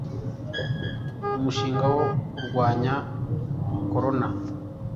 umushinga wo kurwanya korona